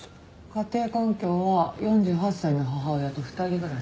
家庭環境は４８歳の母親と２人暮らし。